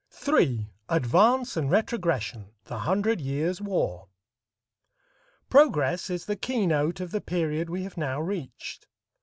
III. ADVANCE AND RETROGRESSION; THE HUNDRED YEARS' WAR. Progress is the keynote of the period we have now reached.